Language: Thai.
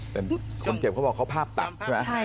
เป็นผู้เจ็บเขาภาพตัดใช่ไหม